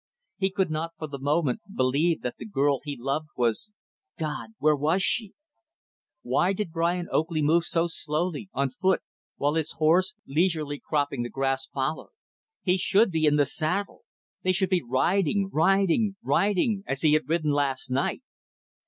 He could not, for the moment, believe that the girl he loved was God! where was she? Why did Brian Oakley move so slowly, on foot, while his horse, leisurely cropping the grass, followed? He should be in the saddle! They should be riding, riding riding as he had ridden last night.